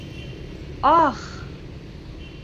- Аһ!